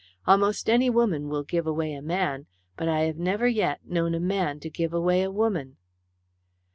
Almost any woman will give away a man, but I have never yet known a man give away a woman."